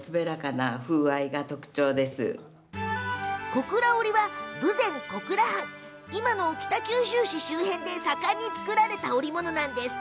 小倉織は、豊前小倉藩今の北九州市周辺で盛んに作られた織物なんです。